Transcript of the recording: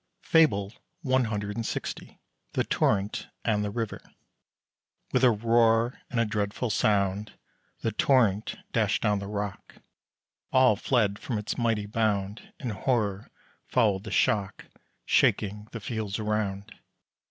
FABLE CLX. THE TORRENT AND THE RIVER. With a roar and a dreadful sound, The Torrent dashed down the rock. All fled from its mighty bound; And horror followed the shock, Shaking the fields around.